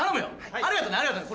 ありがとねありがとね